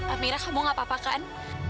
amirah kamu mau apa apakan